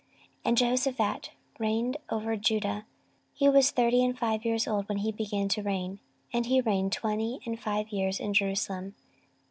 14:020:031 And Jehoshaphat reigned over Judah: he was thirty and five years old when he began to reign, and he reigned twenty and five years in Jerusalem.